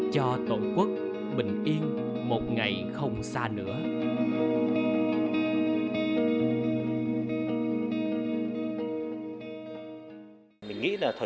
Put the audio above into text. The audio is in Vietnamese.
cho tổ quốc bình yên một ngày không mất